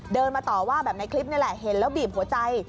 เดินมาต่อว่าแบบในคลิปนี่แหละเห็นแล้วบีบหัวใจ